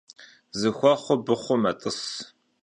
Zıxuexhur bıxhuu met'ıs.